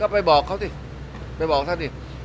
ไปบอกเขาไปบอกท่าน